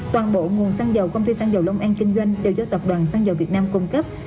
toàn bộ nguồn xăng dầu công ty xăng dầu long an kinh doanh đều do tập đoàn xăng dầu việt nam cung cấp